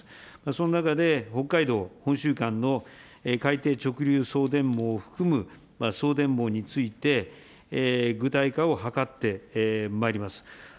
その中で、北海道・本州間の海底直流送電網を含む送電網について、具体化を図ってまいります。